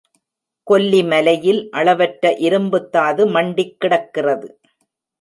கொல்லி மலையில் அளவற்ற இரும்புத்தாது மண்டிக்கிடக்கிறது.